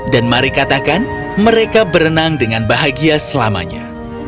dan mari katakan mereka berenang dengan bahagia selamanya